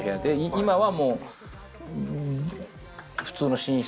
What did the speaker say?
今はもう普通の寝室。